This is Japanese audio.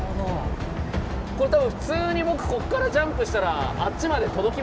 これ多分普通に僕こっからジャンプしたらあっちまで届きますよ。